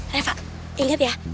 reva ingat ya